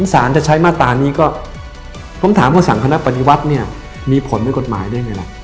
สารจะใช้มาตรานี้ก็ผมถามว่าสั่งคณะปฏิวัติเนี่ยมีผลในกฎหมายได้ไงล่ะ